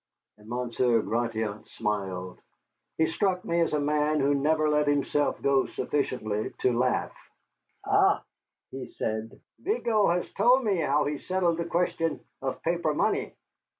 And Monsieur Gratiot smiled. He struck me as a man who never let himself go sufficiently to laugh. "Ah," he said, "Vigo has told me how he settled the question of paper money.